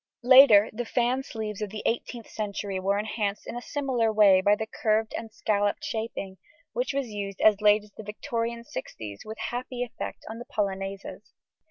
Later the fan sleeves of the 18th century were enhanced in a similar way by the curved and scalloped shaping, which was used as late as the Victorian sixties with happy effect on the polonaises.